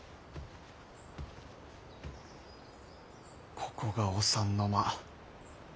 ここがお三の間。